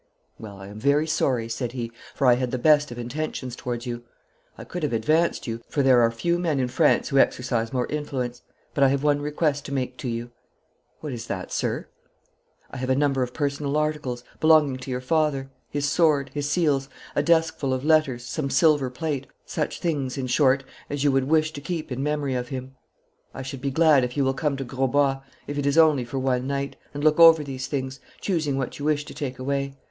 'Well, I am very sorry,' said he, 'for I had the best of intentions towards you. I could have advanced you, for there are few men in France who exercise more influence. But I have one request to make to you.' 'What is that, sir?' 'I have a number of personal articles, belonging to your father his sword, his seals, a deskful of letters, some silver plate such things in short as you would wish to keep in memory of him. I should be glad if you will come to Grosbois if it is only for one night and look over these things, choosing what you wish to take away.